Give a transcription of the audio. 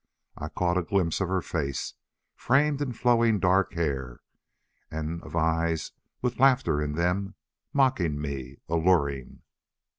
I caught a glimpse of her face, framed in flowing dark hair, and of eyes with laughter in them, mocking me, alluring.